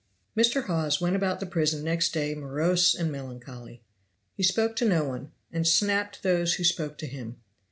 MR. HAWES went about the prison next day morose and melancholy. He spoke to no one, and snapped those who spoke to him.